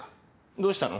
どうしたの？